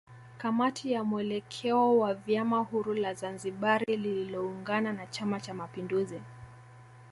Kamati ya mwelekeo wa vyama huru la Zanzibari lililoungana na chama cha mapinduzi